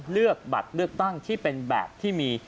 เลือกบัตรเลือกตั้งที่เป็นแบบที่มี